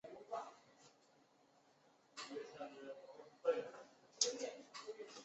二歧卷柏为卷柏科卷柏属下的一个种。